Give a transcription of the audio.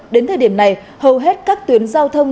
đến thời điểm này hầu hết các tuyến giao thông